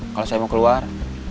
kalau saya mau keluar